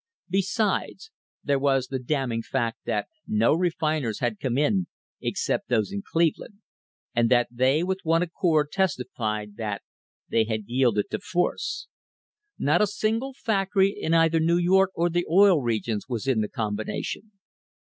Besides, there was the damning fact that no refiners had come in except those in Cleveland, and that they with one accord testified that they had yielded to force. Not a single factory in either New York or the Oil Regions was in the combination.